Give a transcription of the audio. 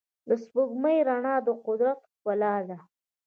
د سپوږمۍ رڼا د قدرت ښکلا ده.